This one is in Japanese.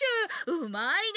うまいね！